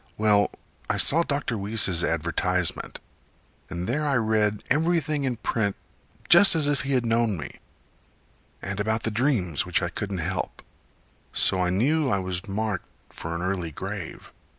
Well, I saw Dr. Weese's advertisement, And there I read everything in print, Just as if he had known me; And about the dreams which I couldn't help. So I knew I was marked for an early grave.